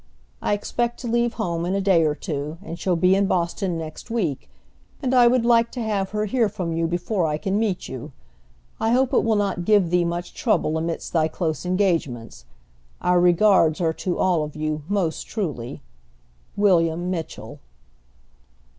I expect to leave home in a day or two, and shall be in Boston next week, and I would like to have her hear from you before I can meet you. I hope it will not give thee much trouble amidst thy close engagements. Our regards are to all of you most truly. WILLIAM MITCHELL.